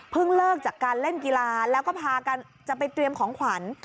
เลิกจากการเล่นกีฬาแล้วก็พากันจะไปเตรียมของขวัญ